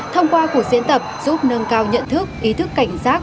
thông qua cuộc diễn tập giúp nâng cao nhận thức ý thức cảnh giác